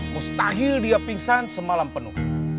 mustahil dia pingsan semalam penuh